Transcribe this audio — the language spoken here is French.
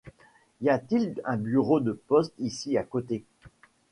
Y a-t-il un bureau de poste ici, à côté ?